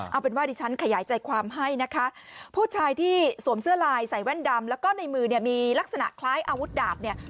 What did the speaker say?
เอาเป็นว่าดิฉันขยายใจความให้นะคะผู้ชายที่สวมเสื้อลายใส่แว่นดำแล้วก็ในมือเนี่ยมีลักษณะคล้ายอาวุธดาบเนี่ย